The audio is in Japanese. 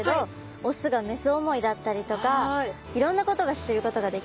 雄が雌思いだったりとかいろんなことが知ることができました。